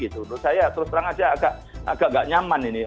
menurut saya terus terang agak tidak nyaman ini